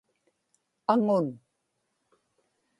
aŋun